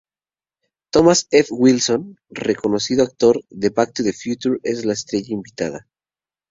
Thomas F. Wilson, reconocido actor de "Back to the Future", es la estrella invitada.